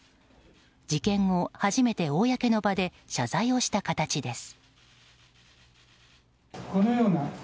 事件後、初めて公の場で謝罪をした形です。